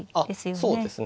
そうですね。